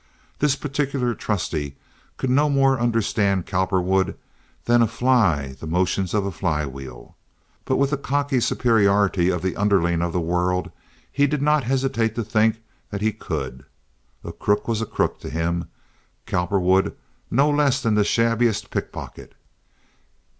This particular "trusty" could no more understand Cowperwood than could a fly the motions of a fly wheel; but with the cocky superiority of the underling of the world he did not hesitate to think that he could. A crook was a crook to him—Cowperwood no less than the shabbiest pickpocket.